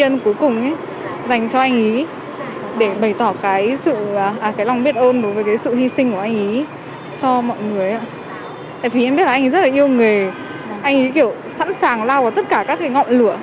anh ấy kiểu sẵn sàng lao vào tất cả các cái ngọn lửa